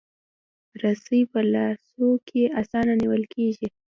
رسۍ په لاسو کې اسانه نیول کېږي.